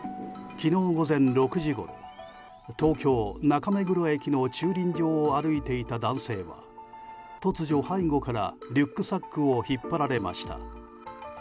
昨日午前６時ごろ東京・中目黒駅の駐輪場を歩いていた男性は、突如背後からリュックサックを引っ張られました。